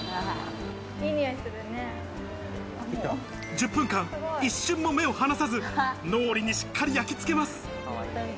１０分間、一瞬も目を離さず、脳裏にしっかり焼きつけます。